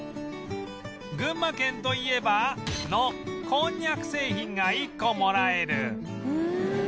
群馬県といえば？のこんにゃく製品が１個もらえる